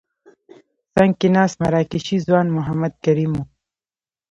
څنګ کې ناست مراکشي ځوان محمد کریم وو.